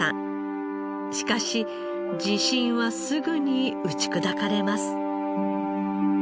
しかし自信はすぐに打ち砕かれます。